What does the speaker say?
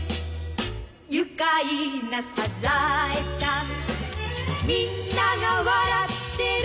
「愉快なサザエさん」「みんなが笑ってる」